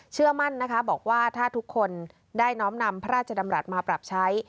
เชื่อมั่นนะคะบอกว่าถ้าทุกคนได้น้อมนำพระราชดำรัฐมาปรับใช้